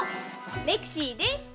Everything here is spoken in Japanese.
レクシーです！